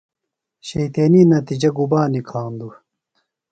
شیطینی نتیِجہ گُبا نِکھاندُوۡ؟